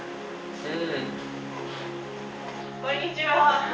こんにちは。